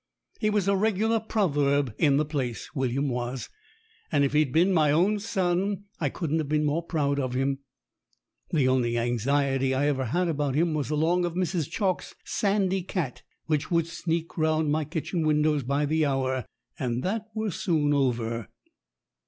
He was a regular proverb in the place, William was, and if he'd been my own son I couldn't have been more proud of him. The only anxiety I ever had about him was along of Mrs. Chalk's sandy cat, which would sneak round my kitchen windows by the hour ; and that were soon over.